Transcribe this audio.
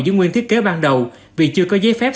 giữ nguyên thiết kế ban đầu vì chưa có giấy phép